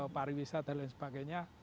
pariwisata dan lain sebagainya